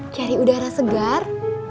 cari udara segar